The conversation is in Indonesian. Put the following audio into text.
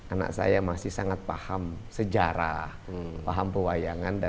anak saya masih sangat paham sejarah paham pewayangan